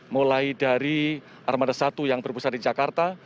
mulai dari armada satu yang berpusat di jakarta